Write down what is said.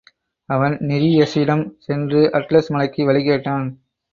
அவன் நீரியஸிடம் சென்று, அட்லஸ் மலைக்கு வழி கேட்டான்.